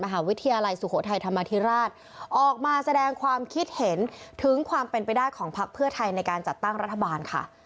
มหาวิทยาลัยสุโขทัยธรรมธิราชออกมาแสดงความคิดเห็นถึงความเป็นไปได้ของพักเพื่อไทยในการจัดตั้งรัฐบาลค่ะ